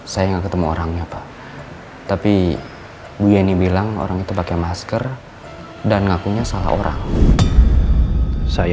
saya ketemu orangnya tapi gue ini bilang orang itu pakai masker dan ngakunya salah orang saya